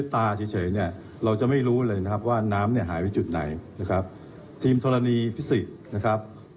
ทีมธรณีฟิสิกส์นะครับ